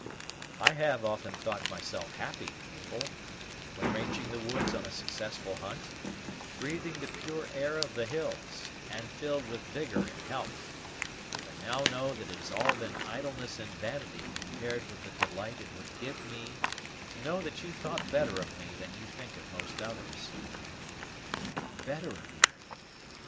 "I have often thought myself happy, Mabel, when ranging the woods on a successful hunt, breathing the pure air of the hills, and filled with vigor and health; but I now know that it has all been idleness and vanity compared with the delight it would give me to know that you thought better of me than you think of most others." "Better of you!